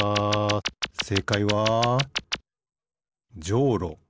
せいかいはじょうろ。